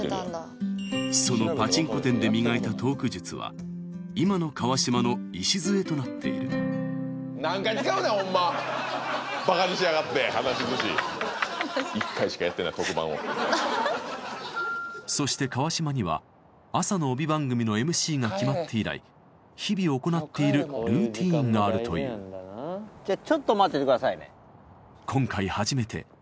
そのパチンコ店で磨いたトーク術は今の川島の礎となっているそして川島には朝の帯番組のＭＣが決まって以来日々行っているルーティンがあるというじゃあちょっと待っててくださいね。